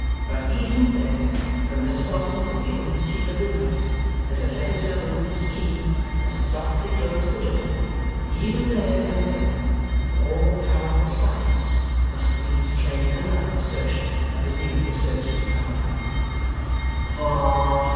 But even there, when Mr Boffin had given his keeper good night, and had let himself in with his key, and had softly closed the door, even there and then, the all powerful Silas must needs claim another assertion of his newly asserted power.